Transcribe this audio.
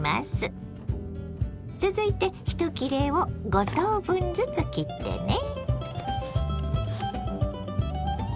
続いて１切れを５等分ずつ切ってね。